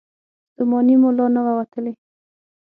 ستومني مو لا نه وه وتلې.